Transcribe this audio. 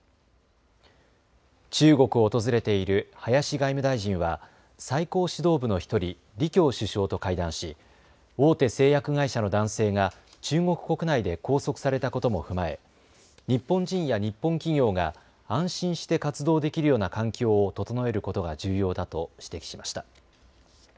中国を訪れている林外務大臣は最高指導部の１人、李強首相と会談し大手製薬会社の男性が中国国内で拘束されたことも踏まえ日本人や日本企業が安心して活動できるような環境を整えることが重要だと指摘しました。